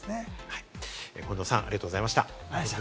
近藤さん、ありがとうございました。